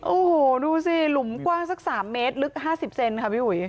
โอ้โหดูสิหลุมกว้างสัก๓เมตรลึก๕๐เซนค่ะพี่อุ๋ย